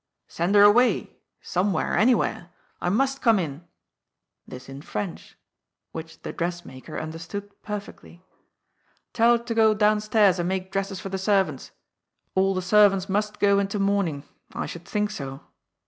" Send her away, somewhere, anywhere. I must come in" — this in French, which the dressmaker understood perfectly. '*Tell her to go downstairs and make dresses for tiie servants. All the servants must go into mourning. I should think so.